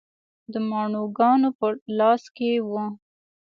د ماڼوګانو په لاس کې و.